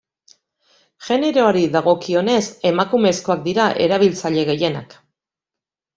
Generoari dagokionez, emakumezkoak dira erabiltzaile gehienak.